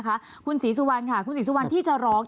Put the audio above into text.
คุณศรีสุวรรณค่ะที่จะร้อง